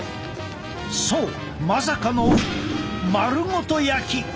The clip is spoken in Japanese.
そうまさかの丸ごと焼き！